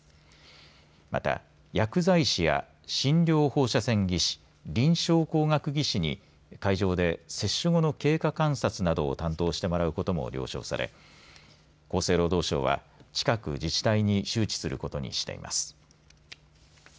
また薬剤師や診療放射線技師臨床工学技士に会場で接種後の経過観察などを担当してもらうことも了承され厚生労働省は近く自治体に周知することにしています。